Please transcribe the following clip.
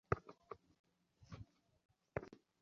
সে বিদ্যা কেবল ইচ্ছা থাকিলেই শেখা যায় না, ক্ষমতা থাকা চাই।